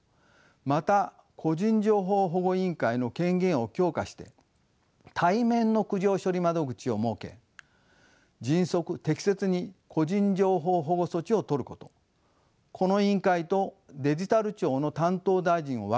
また個人情報保護委員会の権限を強化して対面の苦情処理窓口を設け迅速適切に個人情報保護措置をとることこの委員会とデジタル庁の担当大臣を分けることなどが必要です。